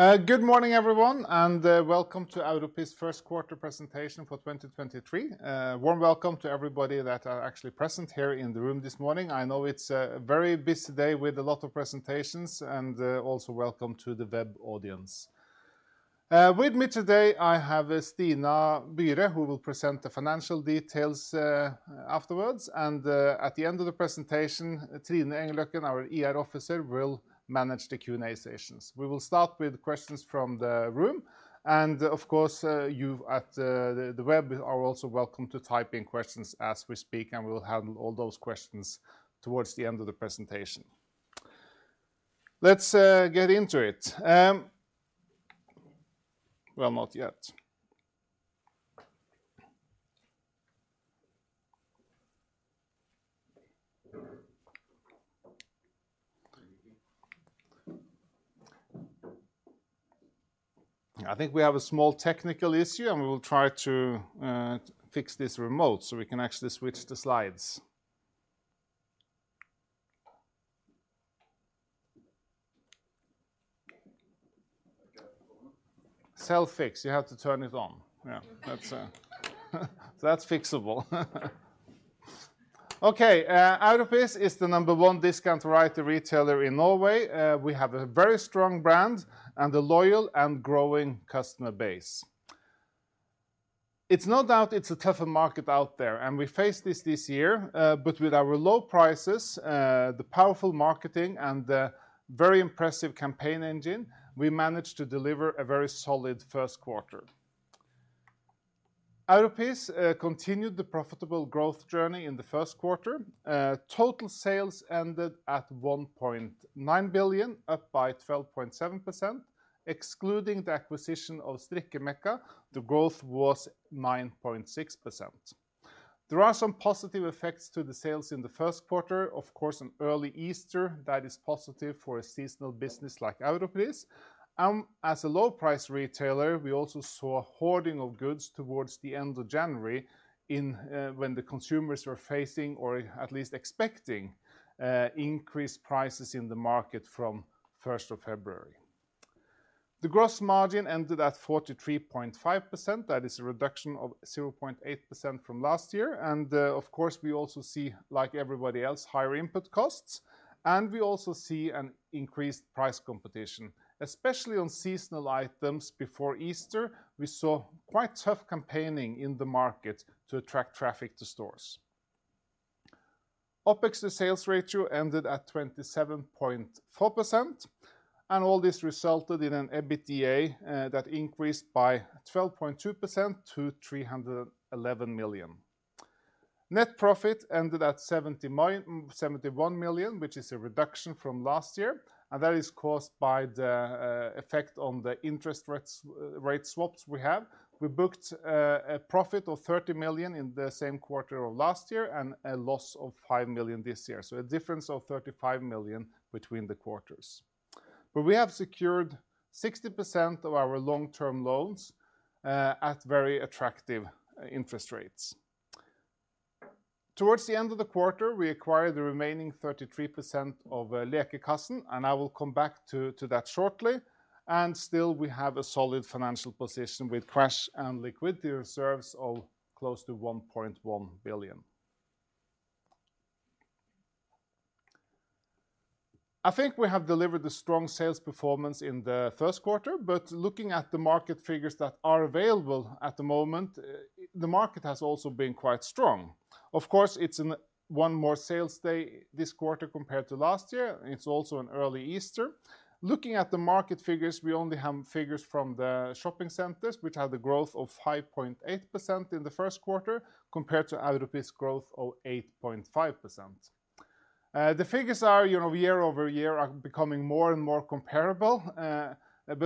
Good morning everyone, and welcome to Europris' first quarter presentation for 2023. Warm welcome to everybody that are actually present here in the room this morning. I know it's a very busy day with a lot of presentations, also welcome to the web audience. With me today, I have Stina Byre, who will present the financial details afterwards. At the end of the presentation, Trine Engløkken, our IR officer, will manage the Q&A sessions. We will start with questions from the room, of course, you at the web are also welcome to type in questions as we speak, and we will handle all those questions towards the end of the presentation. Let's get into it. Well, not yet. I think we have a small technical issue, and we will try to fix this remote so we can actually switch the slides. Self-fix. You have to turn it on. Yeah, that's that's fixable. Okay, Europris is the number one discount variety retailer in Norway. We have a very strong brand and a loyal and growing customer base. It's no doubt it's a tougher market out there, and we face this this year, but with our low prices, the powerful marketing, and the very impressive campaign engine, we managed to deliver a very solid first quarter. Europris continued the profitable growth journey in the first quarter. Total sales ended at 1.9 billion, up by 12.7%. Excluding the acquisition of Strikkemekka, the growth was 9.6%. There are some positive effects to the sales in the first quarter. An early Easter, that is positive for a seasonal business like Europris. As a low-price retailer, we also saw hoarding of goods towards the end of January when the consumers were facing or at least expecting increased prices in the market from first of February. The gross margin ended at 43.5%. That is a reduction of 0.8% from last year. Of course, we also see, like everybody else, higher input costs, and we also see an increased price competition. Especially on seasonal items before Easter, we saw quite tough campaigning in the market to attract traffic to stores. OPEX to sales ratio ended at 27.4%, and all this resulted in an EBITDA that increased by 12.2% to 311 million. Net profit ended at 71 million, which is a reduction from last year, and that is caused by the effect on the interest rates, rate swaps we have. We booked a profit of 30 million in the same quarter of last year and a loss of 5 million this year. A difference of 35 million between the quarters. We have secured 60% of our long-term loans at very attractive interest rates. Towards the end of the quarter, we acquired the remaining 33% of Lekekassen, and I will come back to that shortly. Still we have a solid financial position with cash and liquidity reserves of close to 1.1 billion. I think we have delivered a strong sales performance in the first quarter, looking at the market figures that are available at the moment, the market has also been quite strong. 1 more sales day this quarter compared to last year. It's also an early Easter. Looking at the market figures, we only have figures from the shopping centers, which had a growth of 5.8% in the first quarter compared to Europris's growth of 8.5%. The figures are, you know, year-over-year are becoming more and more comparable.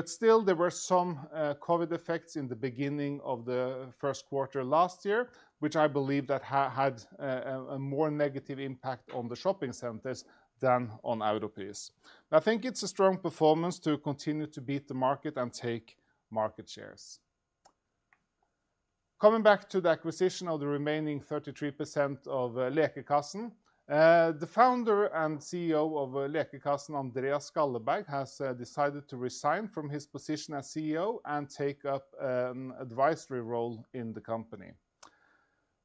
Still there were some COVID effects in the beginning of the first quarter last year, which I believe that had a more negative impact on the shopping centers than on Europris. I think it's a strong performance to continue to beat the market and take market shares. Coming back to the acquisition of the remaining 33% of Lekekassen, the founder and CEO of Lekekassen, Andreas Skalleberg, has decided to resign from his position as CEO and take up an advisory role in the company.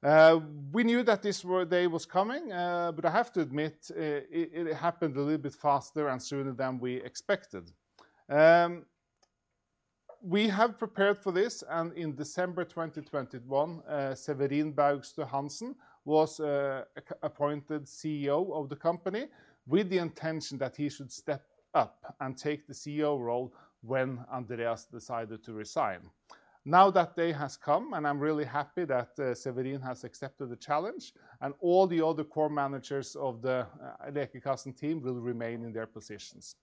We knew that this day was coming. I have to admit, it happened a little bit faster and sooner than we expected. We have prepared for this, and in December 2021, Severin Baugstø Hanssen was appointed CEO of the company with the intention that he should step up and take the CEO role when Andreas decided to resign. Now that day has come, and I'm really happy that Severin has accepted the challenge, and all the other core managers of the Lekekassen team will remain in their positions.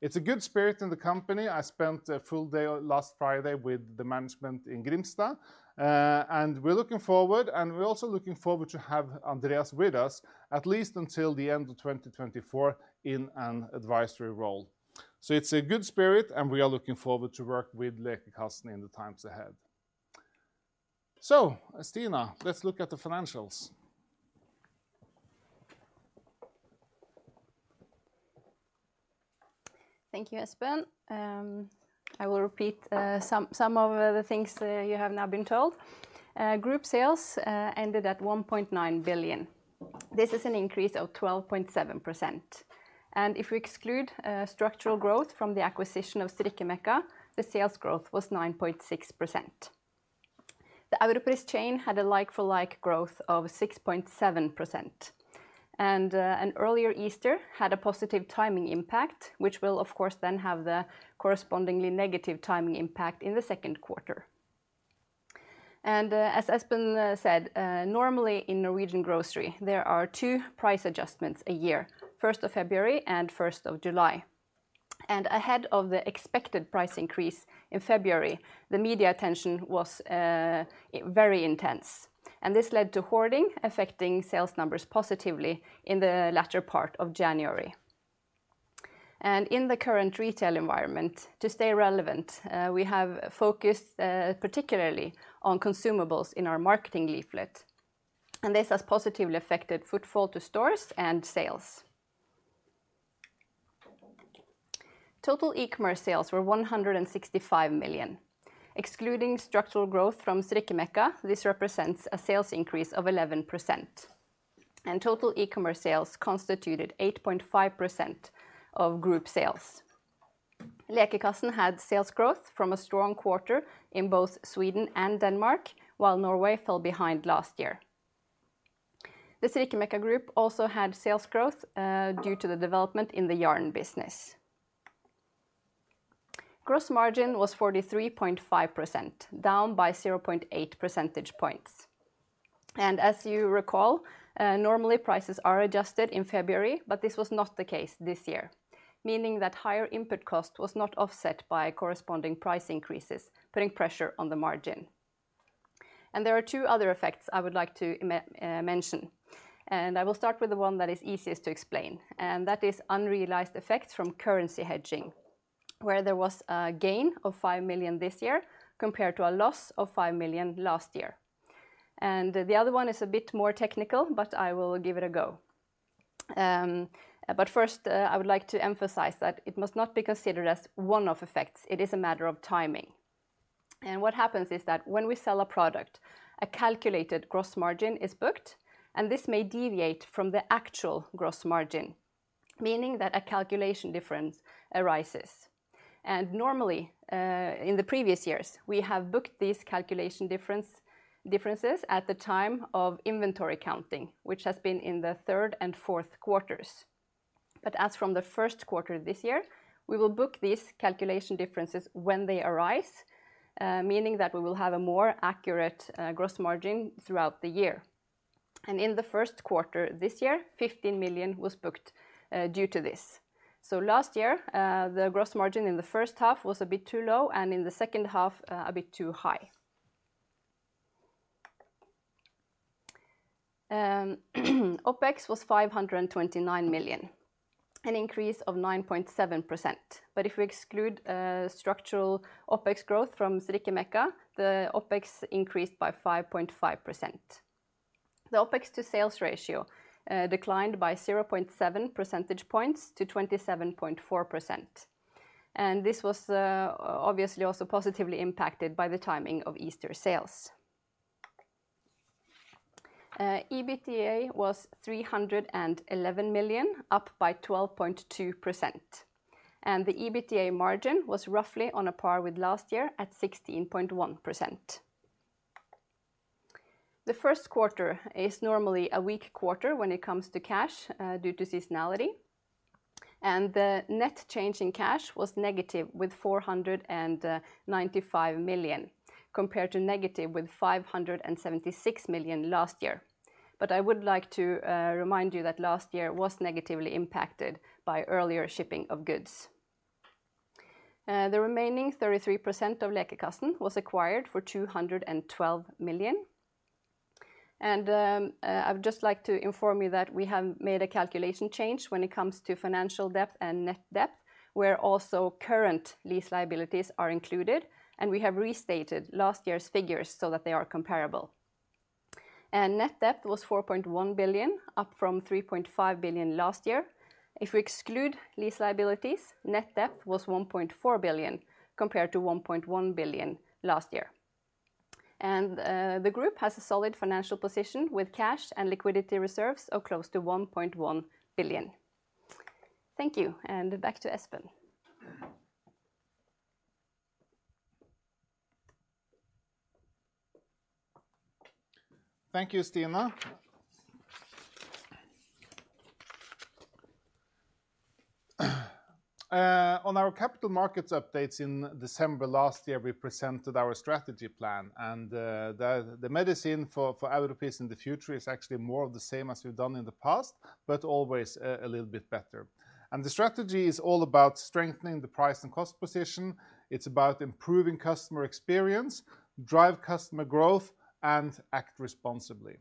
It's a good spirit in the company. I spent a full day last Friday with the management in Grimstad, and we're looking forward, and we're also looking forward to have Andreas with us at least until the end of 2024 in an advisory role. It's a good spirit, and we are looking forward to work with Lekekassen in the times ahead. Stina, let's look at the financials. Thank you, Espen. I will repeat some of the things you have now been told. Group sales ended at 1.9 billion. This is an increase of 12.7%. If we exclude structural growth from the acquisition of Strikkemekka, the sales growth was 9.6%. The Europris chain had a like-for-like growth of 6.7%. An earlier Easter had a positive timing impact, which will of course then have the correspondingly negative timing impact in the second quarter. As Espen said, normally in Norwegian grocery, there are two price adjustments a year, February 1 and July 1. Ahead of the expected price increase in February, the media attention was very intense, and this led to hoarding, affecting sales numbers positively in the latter part of January. In the current retail environment, to stay relevant, we have focused particularly on consumables in our marketing leaflet, and this has positively affected footfall to stores and sales. Total e-commerce sales were 165 million. Excluding structural growth from Strikkemekka, this represents a sales increase of 11%, and total e-commerce sales constituted 8.5% of group sales. Lekekassen had sales growth from a strong quarter in both Sweden and Denmark, while Norway fell behind last year. The Strikkemekka group also had sales growth due to the development in the yarn business. Gross margin was 43.5%, down by 0.8 percentage points. As you recall, normally prices are adjusted in February, but this was not the case this year, meaning that higher input cost was not offset by corresponding price increases, putting pressure on the margin. There are two other effects I would like to mention, and I will start with the one that is easiest to explain, and that is unrealized effects from currency hedging, where there was a gain of 5 million this year compared to a loss of 5 million last year. The other one is a bit more technical, but I will give it a go. First, I would like to emphasize that it must not be considered as one-off effects. It is a matter of timing. What happens is that when we sell a product, a calculated gross margin is booked, and this may deviate from the actual gross margin, meaning that a calculation difference arises. Normally, in the previous years, we have booked these calculation differences at the time of inventory counting, which has been in the third and fourth quarters. As from the first quarter this year, we will book these calculation differences when they arise, meaning that we will have a more accurate gross margin throughout the year. In the first quarter this year, 15 million was booked due to this. Last year, the gross margin in the first half was a bit too low, and in the second half, a bit too high. OPEX was 529 million, an increase of 9.7%. If we exclude structural OPEX growth from Strikkemekka, the OPEX increased by 5.5%. The OPEX to sales ratio declined by 0.7 percentage points to 27.4%. EBITDA was 311 million, up by 12.2%, and the EBITDA margin was roughly on a par with last year at 16.1%. The first quarter is normally a weak quarter when it comes to cash due to seasonality, and the net change in cash was negative with 495 million, compared to negative with 576 million last year. I would like to remind you that last year was negatively impacted by earlier shipping of goods. The remaining 33% of Lekekassen was acquired for 212 million. I would just like to inform you that we have made a calculation change when it comes to financial debt and net debt, where also current lease liabilities are included, and we have restated last year's figures so that they are comparable. Net debt was 4.1 billion, up from 3.5 billion last year. If we exclude lease liabilities, net debt was 1.4 billion compared to 1.1 billion last year. The group has a solid financial position with cash and liquidity reserves of close to 1.1 billion. Thank you. Back to Espen. Thank you, Stina. On our capital markets updates in December last year, we presented our strategy plan, and the medicine for Europris in the future is actually more of the same as we've done in the past, but always a little bit better. The strategy is all about strengthening the price and cost position. It's about improving customer experience, drive customer growth, and act responsibly.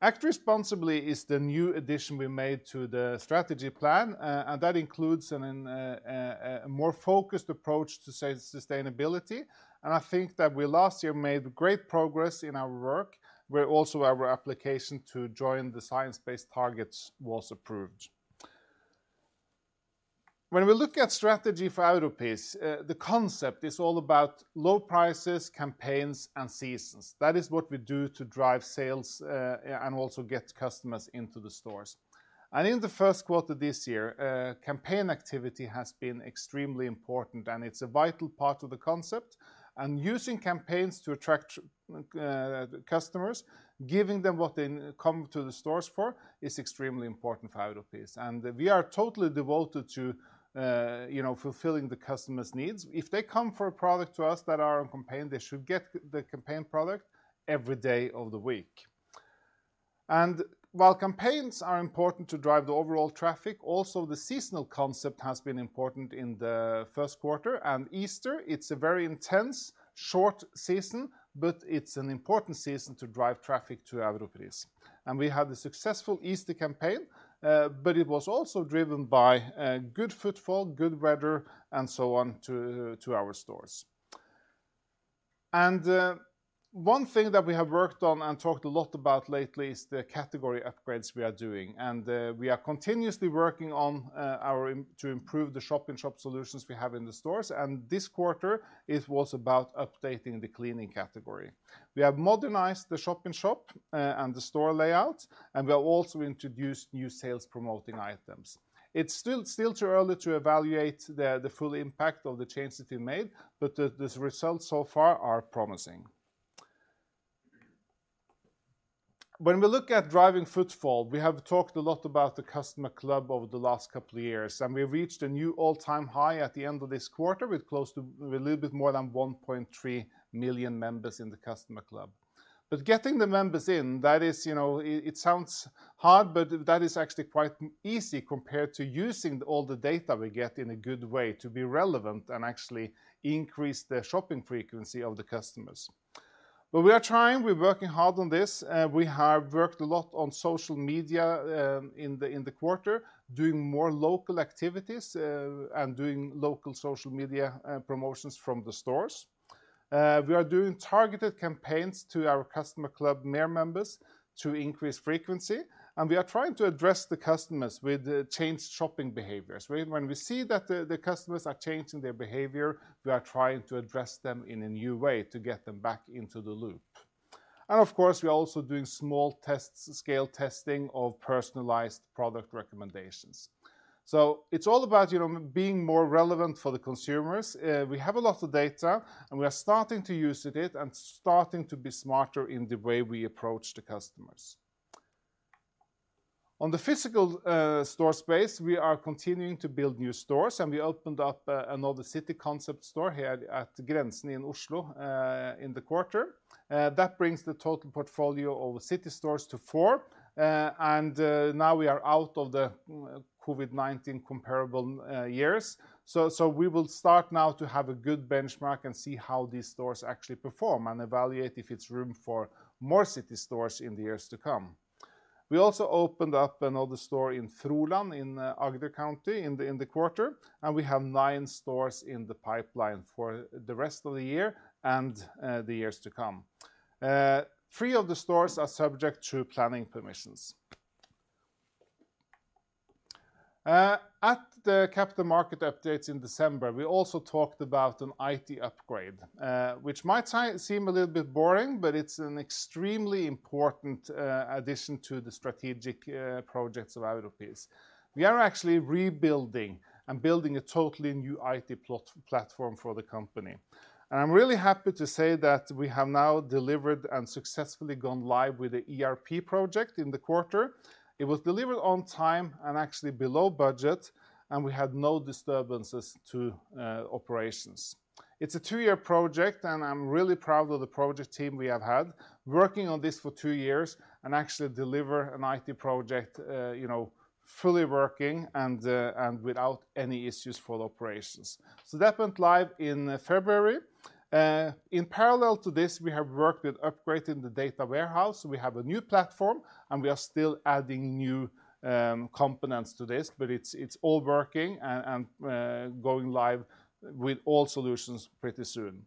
Act responsibly is the new addition we made to the strategy plan, and that includes a more focused approach to sustainability, and I think that we last year made great progress in our work, where also our application to join the Science Based Targets was approved. When we look at strategy for Europris, the concept is all about low prices, campaigns, and seasons. That is what we do to drive sales and also get customers into the stores. In the first quarter this year, campaign activity has been extremely important, and it's a vital part of the concept, and using campaigns to attract the customers, giving them what they come to the stores for is extremely important for Europris. We are totally devoted to, you know, fulfilling the customers' needs. If they come for a product to us that are on campaign, they should get the campaign product every day of the week. While campaigns are important to drive the overall traffic, also the seasonal concept has been important in the first quarter. Easter, it's a very intense, short season, but it's an important season to drive traffic to Europris. We had a successful Easter campaign, but it was also driven by good footfall, good weather, and so on to our stores. One thing that we have worked on and talked a lot about lately is the category upgrades we are doing, and we are continuously working on to improve the shop-in-shop solutions we have in the stores. This quarter it was about updating the cleaning category. We have modernized the shop-in-shop and the store layout, and we have also introduced new sales-promoting items. It's still too early to evaluate the full impact of the changes we made, but these results so far are promising. When we look at driving footfall, we have talked a lot about the customer club over the last couple of years, with a little bit more than 1.3 million members in the customer club. Getting the members in, that is, you know, it sounds hard, but that is actually quite easy compared to using all the data we get in a good way to be relevant and actually increase the shopping frequency of the customers. We are trying. We're working hard on this. We have worked a lot on social media in the quarter, doing more local activities, and doing local social media promotions from the stores. We are doing targeted campaigns to our customer club members to increase frequency, and we are trying to address the customers with changed shopping behaviors. When we see that the customers are changing their behavior, we are trying to address them in a new way to get them back into the loop. Of course, we are also doing small tests, scale testing of personalized product recommendations. It's all about, you know, being more relevant for the consumers. We have a lot of data, and we are starting to using it and starting to be smarter in the way we approach the customers. On the physical store space, we are continuing to build new stores, and we opened up another city concept store here at Grensen in Oslo in the quarter. That brings the total portfolio of city stores to 4. Now we are out of the COVID-19 comparable years, so we will start now to have a good benchmark and see how these stores actually perform and evaluate if it's room for more city stores in the years to come. We also opened up another store in Froland in Agder County in the quarter. We have 9 stores in the pipeline for the rest of the year and the years to come. Three of the stores are subject to planning permissions. At the capital market updates in December, we also talked about an IT upgrade, which might seem a little bit boring, but it's an extremely important addition to the strategic projects of Europris. We are actually rebuilding and building a totally new IT platform for the company. I'm really happy to say that we have now delivered and successfully gone live with the ERP project in the quarter. It was delivered on time and actually below budget, and we had no disturbances to operations. It's a 2-year project. I'm really proud of the project team we have had working on this for 2 years and actually deliver an IT project, you know, fully working and without any issues for the operations. That went live in February. In parallel to this, we have worked with upgrading the data warehouse. We have a new platform, and we are still adding new components to this, but it's all working and going live with all solutions pretty soon.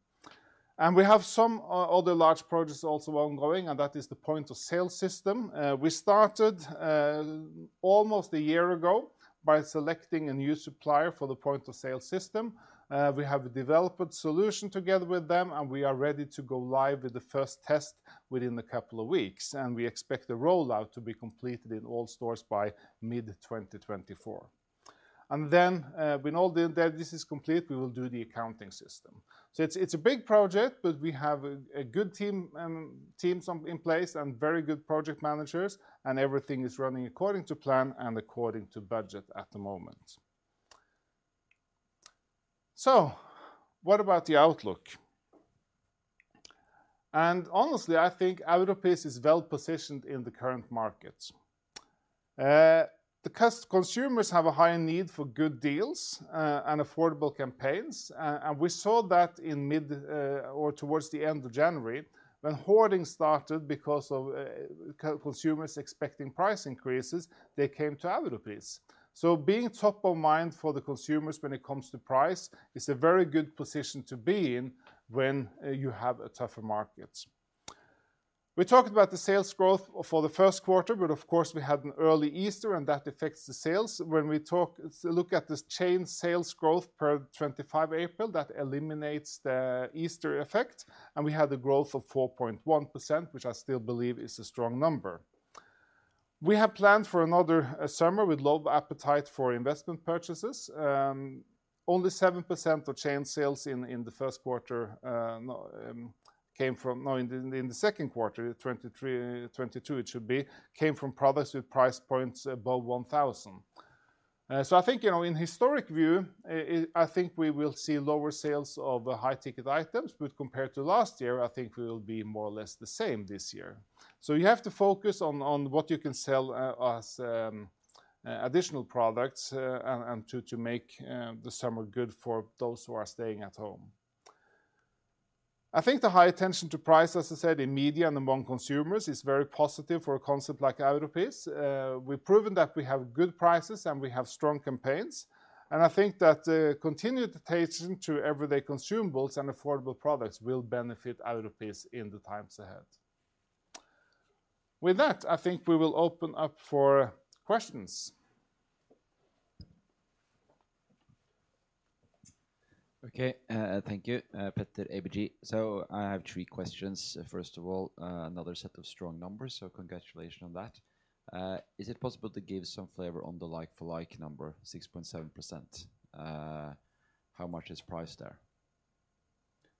We have some other large projects also ongoing, and that is the point-of-sale system. We started almost a year ago by selecting a new supplier for the point-of-sale system. We have developed solution together with them, and we are ready to go live with the first test within a couple of weeks, and we expect the rollout to be completed in all stores by mid-2024. Then, when all the this is complete, we will do the accounting system. It's a big project, but we have a good team, teams in place and very good project managers, and everything is running according to plan and according to budget at the moment. What about the outlook? Honestly, I think Europris is well-positioned in the current markets. The consumers have a high need for good deals and affordable campaigns. We saw that in mid, or towards the end of January when hoarding started because of consumers expecting price increases, they came to Europris. Being top of mind for the consumers when it comes to price is a very good position to be in when you have a tougher market. We talked about the sales growth for the first quarter, but of course we had an early Easter, and that affects the sales. When we look at this chain sales growth per 25 April, that eliminates the Easter effect, and we had the growth of 4.1%, which I still believe is a strong number. We have planned for another summer with low appetite for investment purchases. Only 7% of chain sales in the 1st quarter, no, came from. No, in the 2nd quarter, 2023, 2022 it should be, came from products with price points above 1,000. I think, you know, in historic view, I think we will see lower sales of high-ticket items, but compared to last year, I think we will be more or less the same this year. You have to focus on what you can sell as additional products, and to make the summer good for those who are staying at home. I think the high attention to price, as I said, in media and among consumers is very positive for a concept like Europris. We've proven that we have good prices, and we have strong campaigns, and I think that, continued attention to everyday consumables and affordable products will benefit Europris in the times ahead. With that, I think we will open up for questions. Okay, thank you. Petter, ABG. I have 3 questions. First of all, another set of strong numbers, so congratulations on that. Is it possible to give some flavor on the like-for-like number, 6.7%? How much is price there?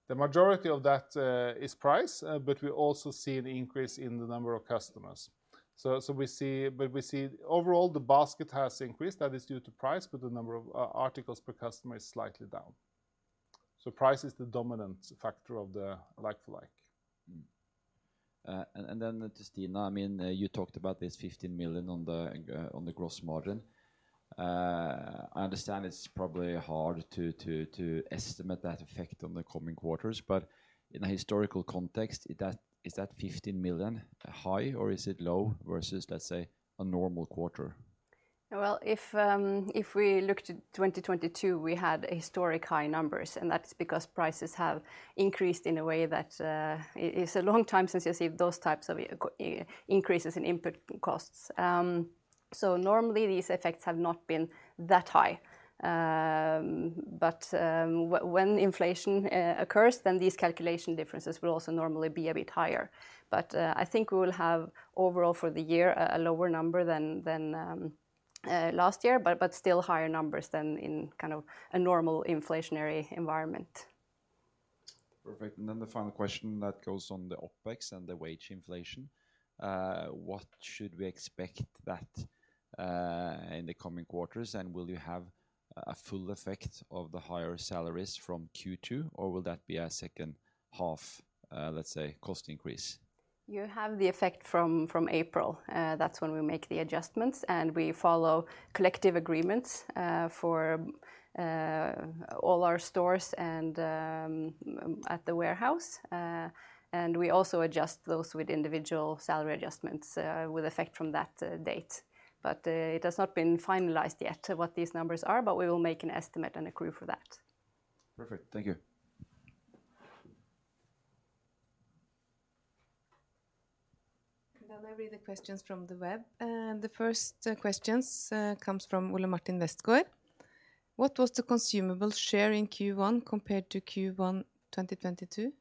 The majority of that is price, but we also see an increase in the number of customers. We see, but we see overall the basket has increased, that is due to price, but the number of articles per customer is slightly down. Price is the dominant factor of the like-for-like. Then to Stina, I mean, you talked about this 15 million on the gross margin. I understand it's probably hard to estimate that effect on the coming quarters, but in a historical context, is that 15 million high or is it low versus, let's say, a normal quarter? If we look to 2022, we had historic high numbers, and that's because prices have increased in a way that it's a long time since you see those types of increases in input costs. Normally these effects have not been that high. When inflation occurs, then these calculation differences will also normally be a bit higher. I think we will have overall for the year a lower number than last year, but still higher numbers than in kind of a normal inflationary environment. Perfect. Then the final question that goes on the OpEx and the wage inflation, what should we expect that, in the coming quarters? Will you have a full effect of the higher salaries from Q2, or will that be a second half, let's say, cost increase? You have the effect from April. That's when we make the adjustments, we follow collective agreements, for all our stores and at the warehouse. We also adjust those with individual salary adjustments, with effect from that date. It has not been finalized yet what these numbers are, but we will make an estimate and accrue for that. Perfect. Thank you. I read the questions from the web, and the first questions comes from Ole Martin Westgaard. What was the consumable share in Q1 compared to Q1 2022?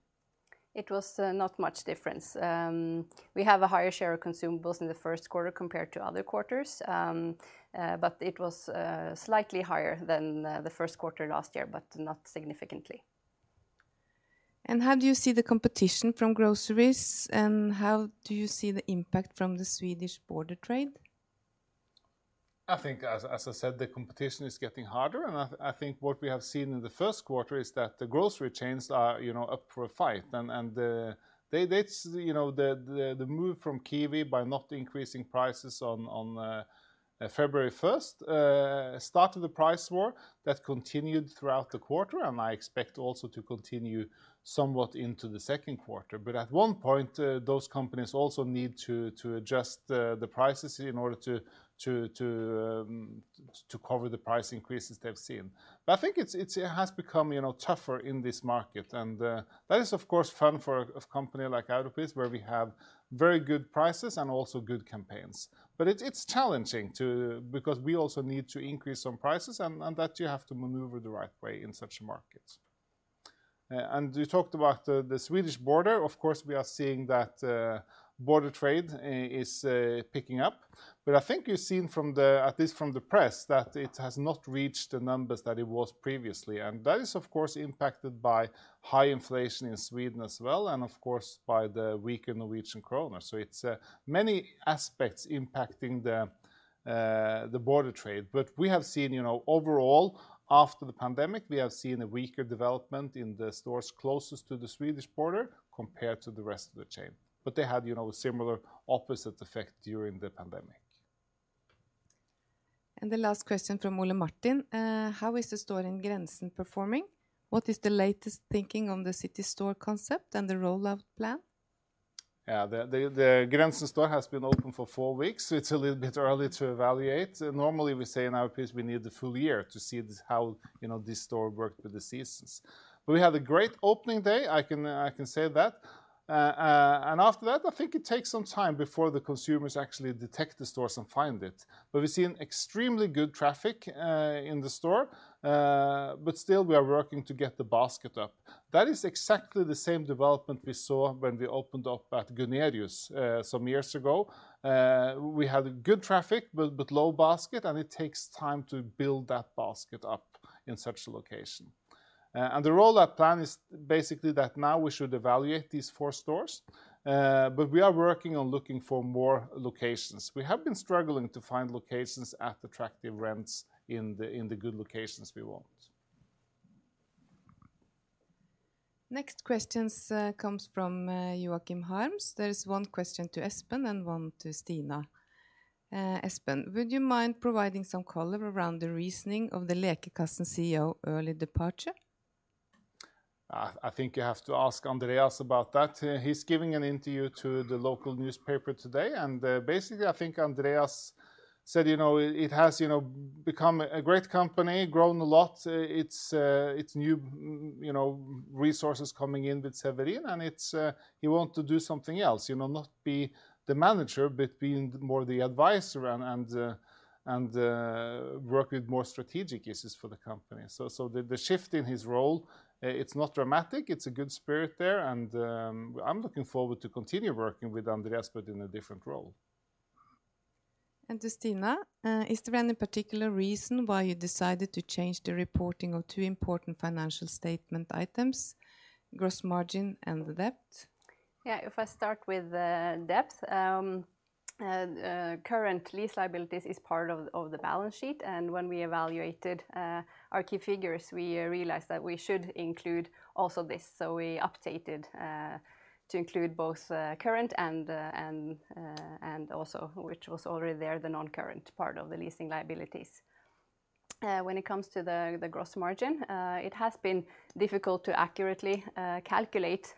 It was not much difference. We have a higher share of consumables in the first quarter compared to other quarters. It was slightly higher than the first quarter last year, but not significantly. How do you see the competition from groceries, and how do you see the impact from the Swedish border trade? I think, as I said, the competition is getting harder, I think what we have seen in the first quarter is that the grocery chains are, you know, up for a fight. they, that's, you know, the move from KIWI by not increasing prices on February first, started the price war that continued throughout the quarter, and I expect also to continue somewhat into the second quarter. at one point, those companies also need to adjust the prices in order to cover the price increases they've seen. I think it has become, you know, tougher in this market. that is of course fun for a company like Europris, where we have very good prices and also good campaigns. it's challenging to... We also need to increase some prices, and that you have to maneuver the right way in such markets. You talked about the Swedish border. Of course, we are seeing that border trade is picking up. I think you've seen from the at least from the press, that it has not reached the numbers that it was previously. That is of course impacted by high inflation in Sweden as well and of course by the weaker Norwegian kroner. It's many aspects impacting the border trade. We have seen, you know, overall, after the pandemic, we have seen a weaker development in the stores closest to the Swedish border compared to the rest of the chain. They had, you know, a similar opposite effect during the pandemic. The last question from Ole Martin, how is the store in Grensen performing? What is the latest thinking on the city store concept and the rollout plan? The Grensen store has been open for four weeks. It's a little bit early to evaluate. Normally, we say in our piece we need the full year to see how, you know, this store work with the seasons. We had a great opening day, I can say that. After that, I think it takes some time before the consumers actually detect the stores and find it. We've seen extremely good traffic in the store, but still we are working to get the basket up. That is exactly the same development we saw when we opened up at Gunerius some years ago. We had good traffic but low basket, and it takes time to build that basket up in such a location. The rollout plan is basically that now we should evaluate these four stores, but we are working on looking for more locations. We have been struggling to find locations at attractive rents in the, in the good locations we want. Next questions comes from Joachim Harms. There is one question to Espen and one to Stina. Espen, would you mind providing some color around the reasoning of the Lekekassen CEO early departure? I think you have to ask Andreas about that. He's giving an interview to the local newspaper today, basically, I think Andreas said, you know, it has, you know, become a great company, grown a lot. It's new, you know, resources coming in with Espen Eldal, he want to do something else. You know, not be the manager, but being more the advisor and work with more strategic issues for the company. The, the shift in his role, it's not dramatic. It's a good spirit there, and I'm looking forward to continue working with Andreas, but in a different role. To Stina, is there any particular reason why you decided to change the reporting of 2 important financial statement items, gross margin and the debt? Yeah, if I start with the debt, currently liabilities is part of the balance sheet, and when we evaluated our key figures, we realized that we should include also this, so we updated to include both current and also, which was already there, the non-current part of the leasing liabilities. When it comes to the gross margin, it has been difficult to accurately calculate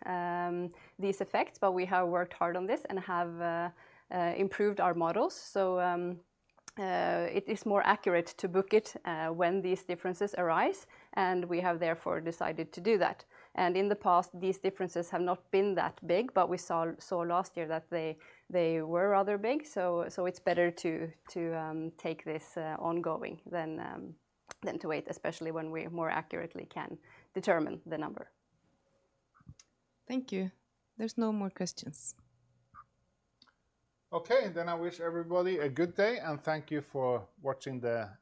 these effects, but we have worked hard on this and have improved our models. It is more accurate to book it when these differences arise, and we have therefore decided to do that. In the past, these differences have not been that big, but we saw last year that they were rather big. So it's better to take this ongoing than to wait, especially when we more accurately can determine the number. Thank you. There's no more questions. Okay. I wish everybody a good day, and thank you for watching the Q-